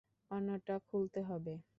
অন্যটা খুলতে হবে।